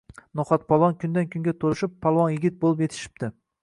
No’xatpolvon kundan-kunga to’lishib, pahlavon yigit bo’lib yetishipti.